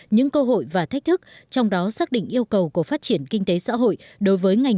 những cơ hội và thách thức trong đó xác định yêu cầu của phát triển kinh tế xã hội đối với ngành